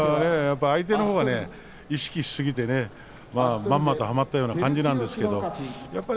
相手は意識しすぎてまんまとはまったような感じですよね。